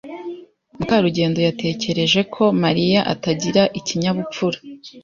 Mukarugendo yatekereje ko Mariya atagira ikinyabupfura.